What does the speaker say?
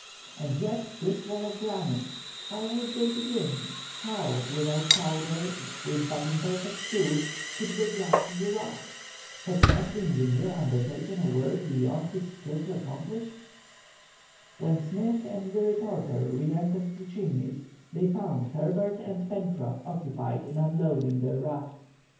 And yet, this wall of granite, how would they begin: how, without powder, with but imperfect tools, could they blast the rock? Had not the engineer undertaken a work beyond his skill to accomplish? When Smith and the reporter re entered the Chimneys, they found Herbert and Pencroff occupied in unloading their raft.